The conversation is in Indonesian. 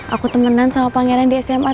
aku temenan sama pangeran di sma